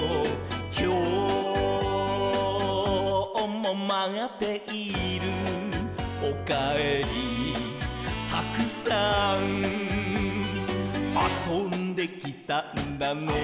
「きょうもまっている」「おかえりたくさん」「あそんできたんだね」